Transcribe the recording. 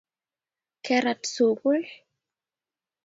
kerat sukul